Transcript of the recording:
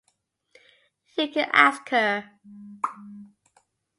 You could ask her.